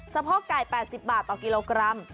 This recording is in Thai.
โพกไก่๘๐บาทต่อกิโลกรัม